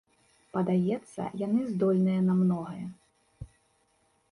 Падаецца, яны здольныя на многае.